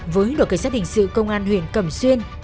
với đội cảnh sát hình sự công an huyện cẩm xuyên